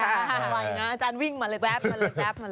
อาจารย์วิ่งมาเลยแว๊บ